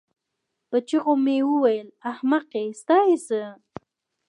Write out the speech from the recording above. په چيغو مې وویل: احمقې ستا یې څه؟